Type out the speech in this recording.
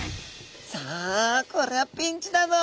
さあこれはピンチだぞ。